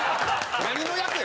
何の役や！